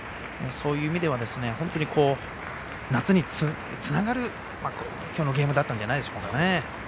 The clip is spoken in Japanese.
そういう意味では本当に夏につながるきょうのゲームだったんじゃないでしょうかね。